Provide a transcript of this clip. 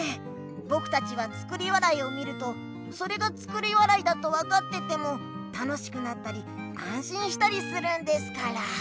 ぼくたちは「作り笑い」を見るとそれが作り笑いだと分かってても楽しくなったりあんしんしたりするんですから。